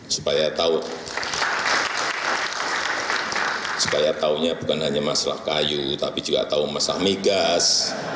supaya tahu supaya tahunya bukan hanya masalah kayu tapi juga tahu masalah migas